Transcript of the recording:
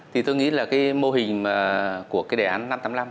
thì tôi nghĩ là cái mô hình của cái đề án năm trăm tám mươi năm